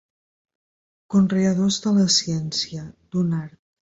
Conreadors de la ciència, d'un art.